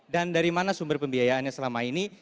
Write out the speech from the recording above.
dan dari mana sumber pembiayaannya selama ini